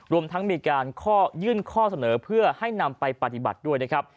รวมทั้งมีการข้อยื่นข้อเสนอเพื่อให้นำไปปฏิบัติด้วยนะครับ